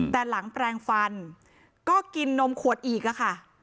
แต่หลังแปลงฟันก็กินนมขวดอีกค่ะ